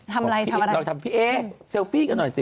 ทำอะไรทำอะไรเราทำพี่เอ๊เซลฟี่กันหน่อยสิ